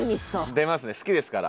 出ますね好きですから。